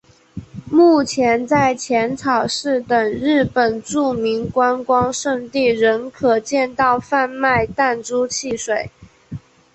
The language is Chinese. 目前在浅草寺等日本著名观光胜地仍可见到贩卖弹珠汽水。